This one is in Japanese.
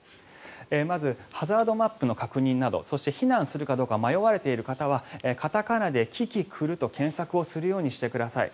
まず、ハザードマップの確認などそして避難するかどうか迷われている方は片仮名でキキクルと検索をするようにしてください。